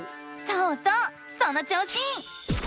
そうそうその調子！